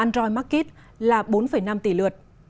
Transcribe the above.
android market là bốn năm tỷ lượt